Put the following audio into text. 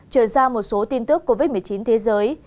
trở ra một số tin tức covid một mươi chín thế giới